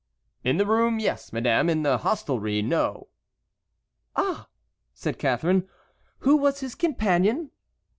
"In the room, yes, madame; in the hostelry, no." "Ah!" said Catharine, "who was his companion?"